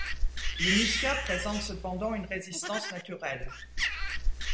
Les muscats présentent cependant une résistance naturelle.